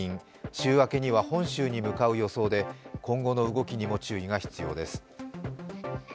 週明けには本州に向かう予想で今後の動きにも注意が必要です。